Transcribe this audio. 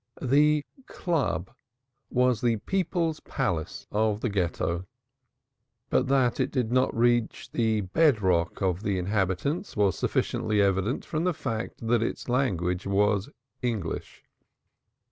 "The Club" was the People's Palace of the Ghetto; but that it did not reach the bed rock of the inhabitants was sufficiently evident from the fact that its language was English.